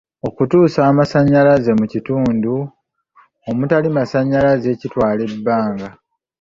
Okutuusa amasannyalaze mu bitundu omutali masannyalaze kitwala ebbanga.